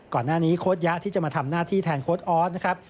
ก่อนหน้านี้โค้ดยะที่จะมาทำหน้าที่แทนโค้ดออสนะครับ